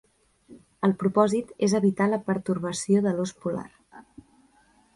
El propòsit és evitar la pertorbació de l'ós polar.